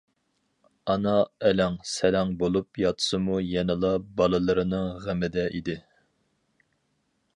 ئانا ئەلەڭ-سەلەڭ بولۇپ ياتسىمۇ يەنىلا بالىلىرىنىڭ غېمىدە ئىدى.